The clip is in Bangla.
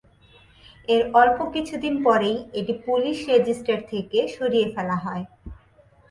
এর অল্প কিছুদিন পরেই এটি পুলিশ রেজিস্টার থেকে সরিয়ে ফেলা হয়।